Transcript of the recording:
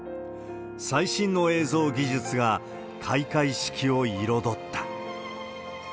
最新の映像技術が開会式を彩った。